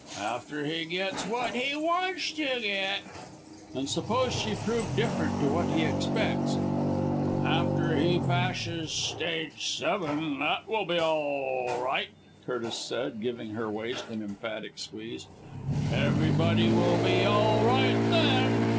"After he gets what he wantsh to get." "And suppose she prove different to what he expects?" "After he pashes stage seven that will be all right!" Curtis said giving her waist an emphatic squeeze. "Everybody will be all right then.